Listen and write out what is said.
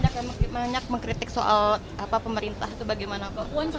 kemarin banyak yang mengkritik soal pemerintah itu bagaimana pak